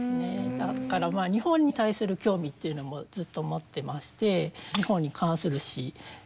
だから日本に対する興味っていうのもずっと持ってまして３つも。